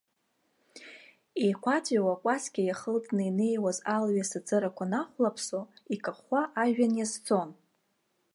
Еикәаҵәиуа акәасқьа иахылҵны инеиуаз алҩа асы цырақәа нахәлаԥсо, икахәхәа ажәҩан иазцон.